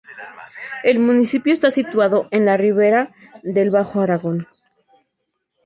El municipio está situado en la Ribera del Bajo Aragón.